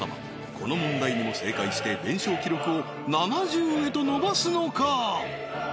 この問題にも正解して連勝記録を７０へと伸ばすのか？